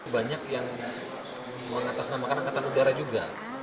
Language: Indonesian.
banyak yang mengatasnamakan angkatan udara juga